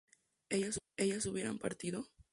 ¿ellas hubieran partido?